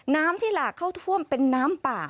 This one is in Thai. น้ำที่หลากเข้าท่วมเป็นน้ำป่า